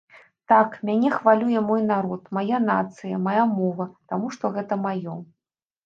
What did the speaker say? Так, мяне хвалюе мой народ, мая нацыя, мая мова, таму што гэта маё.